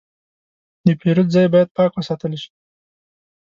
د پیرود ځای باید پاک وساتل شي.